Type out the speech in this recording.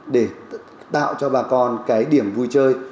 để tạo cho bà con cái điểm vui chơi